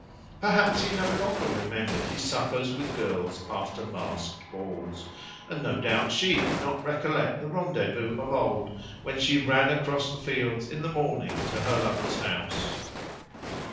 Perhaps he no longer remembered his suppers with girls after masked balls; and no doubt she did not recollect the rendezvous of old when she ran across the fields in the morning to her lover's house.